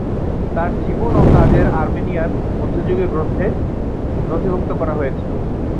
তার জীবন এবং কাজের আর্মেনিয়ান মধ্যযুগীয় গ্রন্থে নথিভুক্ত করা হয়েছিল।